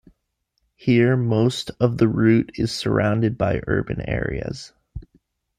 Here, most of the route is surrounded by urban areas.